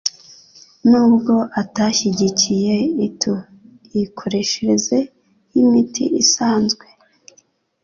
N'ubwo atashyigikiye ituikoreshereze y'imiti isanzwe,